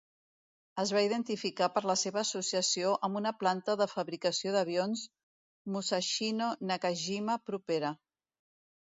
Es va identificar per la seva associació amb una planta de fabricació d'avions Musashino-Nakajima propera.